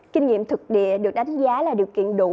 kinh nghiệm thực địa được đánh giá là điều kiện đủ